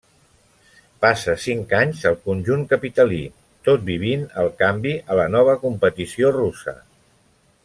Passa cinc anys al conjunt capitalí, tot vivint el canvi a la nova competició russa.